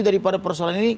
daripada persoalan ini